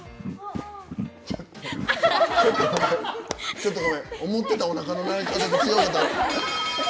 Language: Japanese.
ちょっとごめん思ってたおなかの鳴り方と違うかったから。